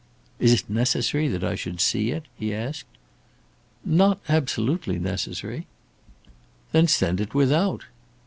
"Is it necessary that I should see it?" he asked. "Not absolutely necessary." "Then send it without."